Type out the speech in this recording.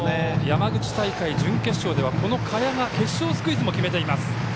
山口大会準決勝では賀谷が決勝スクイズも決めています。